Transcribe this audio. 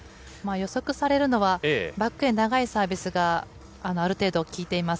予測されるのはバックへ長いサービスがある程度、効いています。